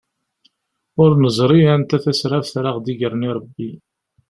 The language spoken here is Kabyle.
Ur neẓri anta tasraft ara aɣ-d-igren irebbi.